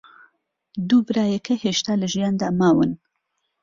دوو برایەکە هێشتا لە ژیاندا ماون.